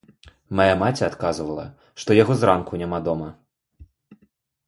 Мая маці адказвала, што яго зранку няма дома.